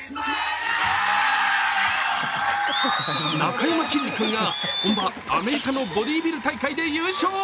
なかやまきんに君が本場・アメリカのボディビル大会で優勝。